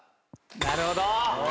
なるほど！